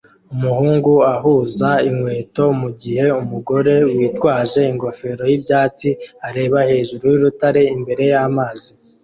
Umuhungu ahuza inkweto mu gihe umugore witwaje ingofero y'ibyatsi areba hejuru y'urutare imbere y'amazi